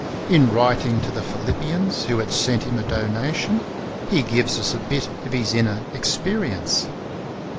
In writing to the Phih'ppians, who had sent him a donation, he gives us a bit of his inner experience.